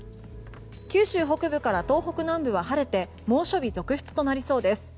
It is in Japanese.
九州北部から東北南部は晴れて猛暑日続出となりそうです。